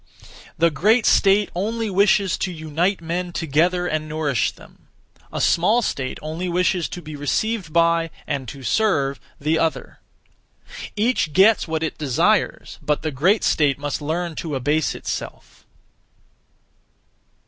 The great state only wishes to unite men together and nourish them; a small state only wishes to be received by, and to serve, the other. Each gets what it desires, but the great state must learn to abase itself.